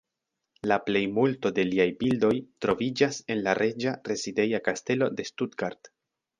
La plejmulto de liaj bildoj troviĝas en la Reĝa rezideja kastelo de Stuttgart.